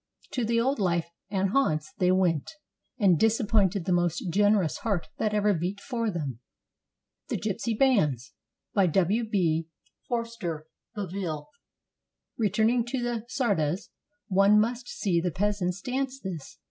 To the old life and haunts they went, and disappointed the most generous heart that ever beat for them. THE GYPSY BANDS BY \V. B. FORSTER BOVILL Returning to the csardas, one must see the peasants dance this.